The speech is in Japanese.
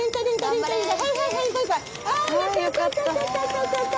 あよかった。